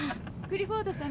クリフォード様。